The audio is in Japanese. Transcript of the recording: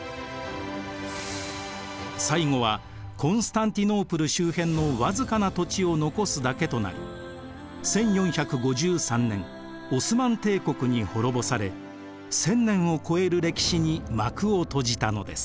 最後はコンスタンティノープル周辺の僅かな土地を残すだけとなり１４５３年オスマン帝国に滅ぼされ１，０００年を超える歴史に幕を閉じたのです。